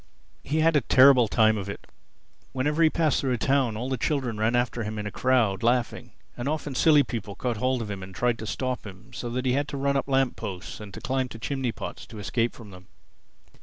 He had a terrible time of it. Whenever he passed through a town all the children ran after him in a crowd, laughing; and often silly people caught hold of him and tried to stop him, so that he had to run up lamp posts and climb to chimney pots to escape from them.